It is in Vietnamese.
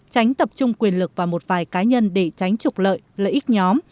tránh tập trung quyền lực vào một vài cá nhân để tránh trục lợi lợi ích nhóm